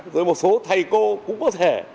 rồi một số thầy cô cũng có thể